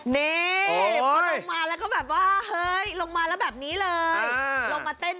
นี่พอลงมาแล้วก็แบบว่าเฮ้ยลงมาแล้วแบบนี้เลยลงมาเต้น